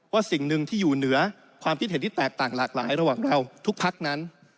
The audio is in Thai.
สิ่งหนึ่งที่อยู่เหนือความคิดเห็นที่แตกต่างหลากหลายระหว่างเราทุกพักนั้น